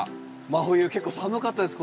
真冬結構寒かったです